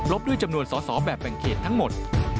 ด้วยจำนวนสอสอแบบแบ่งเขตทั้งหมด